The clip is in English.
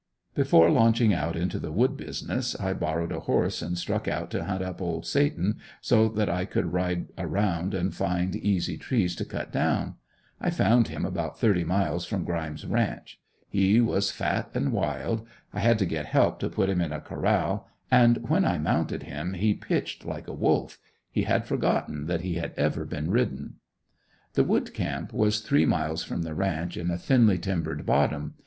Before launching out into the wood business I borrowed a horse and struck out to hunt up old Satan so that I could ride around and find easy trees to cut down; I found him about thirty miles from Grimes' ranch; he was fat and wild; I had to get help to put him in a corral and when I mounted him he pitched like a wolf. He had forgotten that he had ever been ridden. The "wood camp" was three miles from the ranch in a thinly timbered bottom.